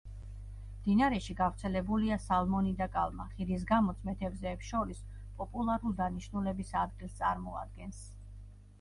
მდინარეში გავრცელებულია სალმონი და კალმახი, რის გამოც მეთევზეებს შორის პოპულარულ დანიშნულების ადგილს წარმოადგენს.